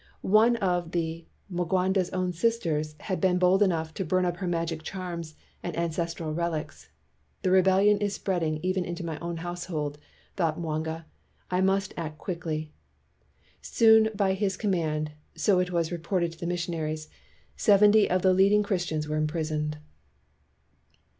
One of the Mwanga 's own sisters had been bold enough to burn up her magic charms and ancestral relics. "The rebellion is 236 STURDY BLACK CHRISTIANS spreading even into my own household, '' thought Mwanga, "I must act quickly. " Soon by his command, so it was reported to the missionaries, seventy of the leading Christians were imprisoned.